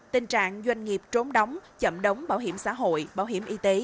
tình trạng doanh nghiệp trốn đóng chậm đóng bảo hiểm xã hội bảo hiểm y tế